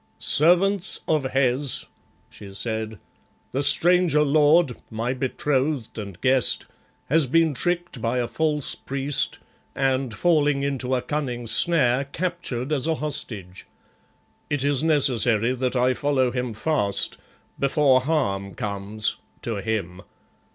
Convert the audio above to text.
"Servants of Hes," she said, "the stranger lord, my betrothed and guest, has been tricked by a false priest and, falling into a cunning snare, captured as a hostage. It is necessary that I follow him fast, before harm comes to him.